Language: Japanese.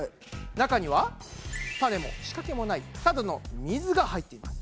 中にはタネも仕掛けもないただの水が入っています。